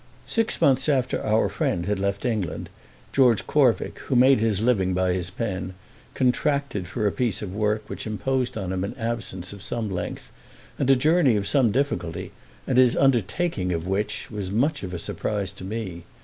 SIX months after our friend had left England George Corvick, who made his living by his pen, contracted for a piece of work which imposed on him an absence of some length and a journey of some difficulty, and his undertaking of which was much of a surprise to me.